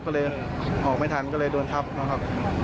ก็เลยออกไม่ทันก็เลยโดนทับนะครับ